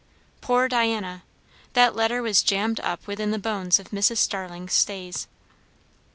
Poor Diana! that letter was jammed up within the bones of Mrs. Starling's stays.